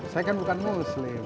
saya kan bukan muslim